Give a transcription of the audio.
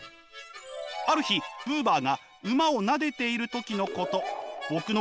ある日ブーバーが馬をなでている時のこと。